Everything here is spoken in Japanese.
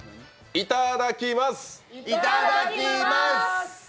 いただきます！